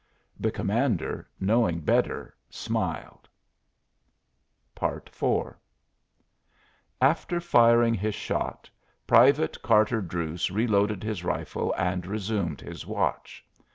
The commander, knowing better, smiled. IV After firing his shot, Private Carter Druse reloaded his rifle and resumed his watch.